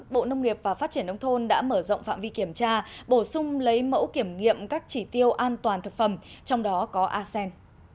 bộ nông nghiệp và phát triển nông thôn đã mở rộng phạm vi kiểm tra bổ sung lấy mẫu kiểm nghiệm các chỉ tiêu an toàn thực phẩm trong đó có acen